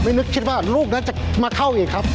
นึกคิดว่าลูกนั้นจะมาเข้าอีกครับ